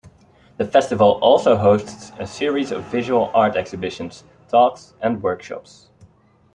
The festival also hosts a series of visual art exhibitions, talks and workshops.